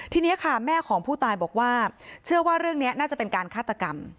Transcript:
ทีนี้ค่ะแม่ของผู้ตายบอกว่าเชื่อว่าเรื่องนี้น่าจะเป็นการฆาตกรรม